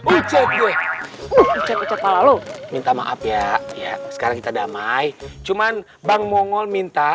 ucet deh ucet ucet malah lu minta maaf ya ya sekarang kita damai cuman bang mongol minta